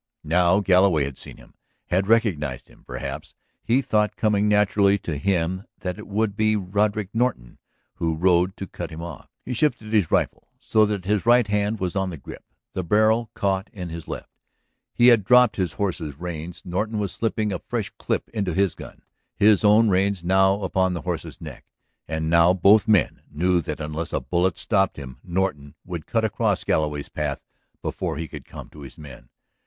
Now Galloway had seen him, had recognized him, perhaps, the thought coming naturally to him that it would be Roderick Norton who rode to cut him off. He shifted his rifle so that his right hand was on the grip, the barrel caught in his left; he had dropped his horse's reins. Norton was slipping a fresh clip into his gun, his own reins now upon his horse's neck. And now both men knew that unless a bullet stopped him Norton would cut across Galloway's path before he could come to his men.